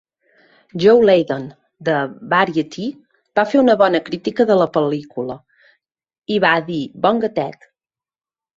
Joe Leydon, de Variety, va fer una bona crítica de la pel·lícula, i va dir "Bon gatet!".